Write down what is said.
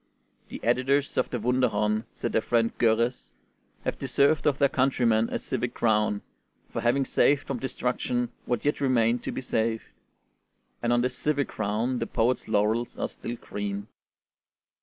"The editors of the 'Wunderhorn,'" said their friend Görres, "have deserved of their countrymen a civic crown, for having saved from destruction what yet remained to be saved;" and on this civic crown the poets' laurels are still green.